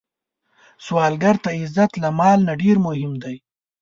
سوالګر ته عزت له مال نه ډېر مهم دی